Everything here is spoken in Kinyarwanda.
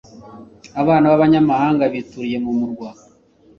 abana b'abanyamahanga bituriye mu murwa